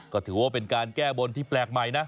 ก็ถือว่าเป็นการแก้บนที่แปลกใหม่นะ